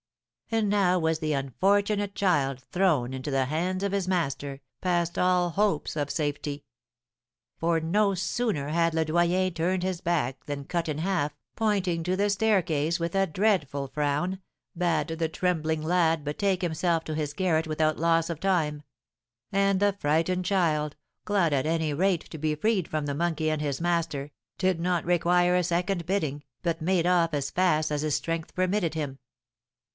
And now was the unfortunate child thrown into the hands of his master, past all hopes of safety; for no sooner had Le Doyen turned his back than Cut in Half, pointing to the staircase with a dreadful frown, bade the trembling lad betake himself to his garret without loss of time; and the frightened child, glad at any rate to be freed from the monkey and his master, did not require a second bidding, but made off as fast as his strength permitted him.